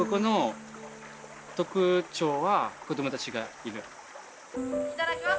いただきます。